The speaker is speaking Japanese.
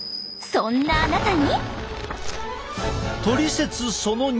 そんなあなたに！